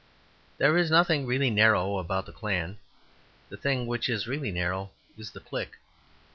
There is nothing really narrow about the clan; the thing which is really narrow is the clique.